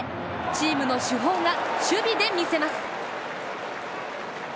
チームの主砲が守備で見せます。